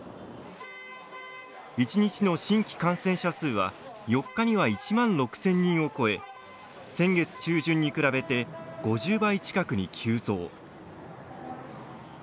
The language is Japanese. １日の新規感染者数は４日には１万６０００人を超え先月中旬に比べて５０倍近くに急増。